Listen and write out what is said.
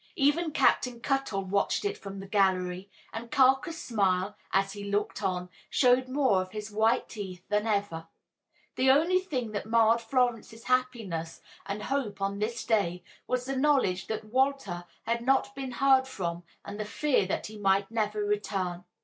Even Captain Cuttle watched it from the gallery, and Carker's smile, as he looked on, showed more of his white teeth than ever. The only thing that marred Florence's happiness and hope on this day was the knowledge that Walter had not been heard from and the fear that he might never return.